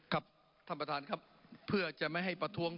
ครับท่านประธานครับเพื่อจะไม่ให้ประท้วง